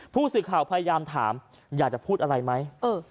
ผู้สื่อข่าวพยายามถามอยากจะพูดอะไรไหม